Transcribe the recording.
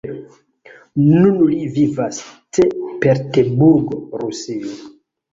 Nun li vivas St-Peterburgo, Rusio.